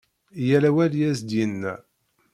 Yal awal i as-d-yenna.